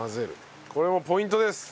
これもポイントです。